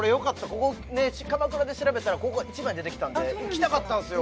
ここね鎌倉で調べたらここが一番に出てきたんで来たかったんすよ